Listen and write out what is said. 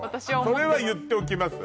それは言っておきます